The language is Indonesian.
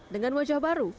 dengan wajah baru